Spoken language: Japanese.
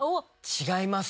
違います。